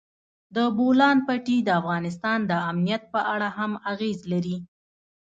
د بولان پټي د افغانستان د امنیت په اړه هم اغېز لري.